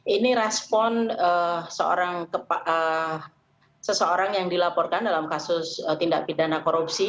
ini respon seseorang yang dilaporkan dalam kasus tindak pidana korupsi